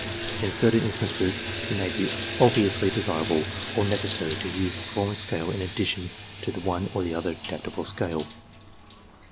In certain instances it may be obviously desirable or necessary to use the performance scale in addition to the one or the other adapted scale.